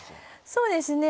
そうですね。